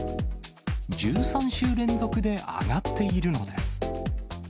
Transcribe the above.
１３週連続で上がっているのです。